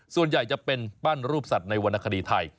ส่วนใหญ่จะเป็นปั้นรูปสัตว์ในวรรณคดีไทย